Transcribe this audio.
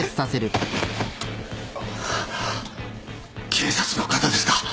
警察の方ですか？